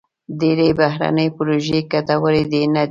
ډېری بهرني پروژې ګټورې نه دي.